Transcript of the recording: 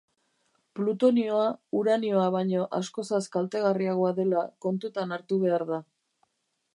Plutonioa uranioa baino askozaz kaltegarriagoa dela kontutan hartu behar da.